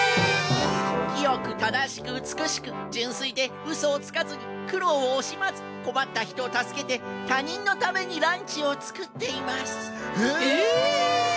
きよくただしくうつくしくじゅんすいでうそをつかずにくろうをおしまずこまったひとをたすけてたにんのためにランチをつくっています。え！？